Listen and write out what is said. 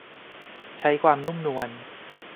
ใช้ความนุ่มนวล